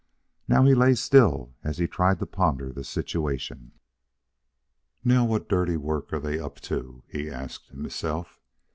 Now he lay still as he tried to ponder the situation. "Now what dirty work are they up to?" he asked himself.